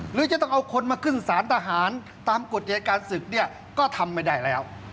หรือจะต้องเอาคนมาขึ้นสารทหารตามกฎอายการศึกเนี่ยก็ทำไม่ได้แล้ว